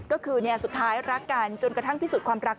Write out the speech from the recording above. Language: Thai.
ก็คือสุดท้ายรักกันจนกระทั่งพิสูจน์ความรัก